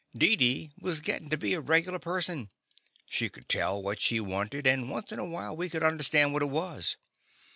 Deedee was gittin' to be a regular person. She could tell what she wanted, and once in a while we could understand what it was.